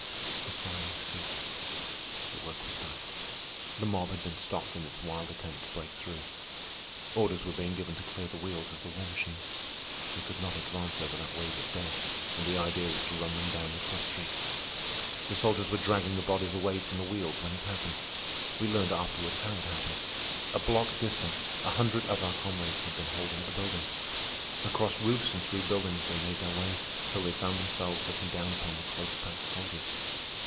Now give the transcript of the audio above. The firing ceased. The work was done. The mob had been stopped in its wild attempt to break through. Orders were being given to clear the wheels of the war machines. They could not advance over that wave of dead, and the idea was to run them down the cross street. The soldiers were dragging the bodies away from the wheels when it happened. We learned afterward how it happened. A block distant a hundred of our comrades had been holding a building. Across roofs and through buildings they made their way, till they found themselves looking down upon the close packed soldiers.